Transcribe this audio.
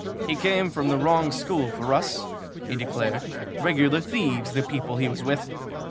"He came from the wrong school for us," he declared. "Regular thieves, the people he was with.